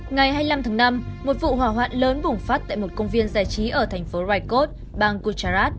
ngày hai mươi năm tháng năm một vụ hỏa hoạn lớn bùng phát tại một công viên giải trí ở thành phố raikot bang gujarat